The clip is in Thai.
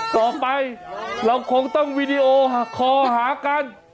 ต่อไปเราคงต้องวีดีโอคอหากัน